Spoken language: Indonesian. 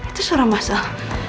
itu suara masel